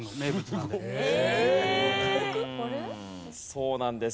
そうなんです。